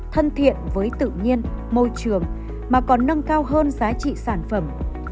thân thiện với tự nhiên môi trường mà còn nâng cao hơn giá trị sản phẩm